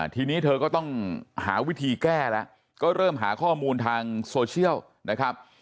ทีนี้เธอก็ต้องหาวิธีแก้แล้วก็เริ่มหาข้อมูลทางโซเชียลนะครับ